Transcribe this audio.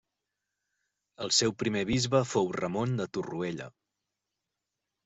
El seu primer bisbe fou Ramon de Torrella.